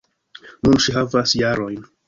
Nun ŝi havas jarojn.